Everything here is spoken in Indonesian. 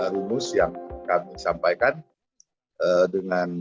rumus yang kami sampaikan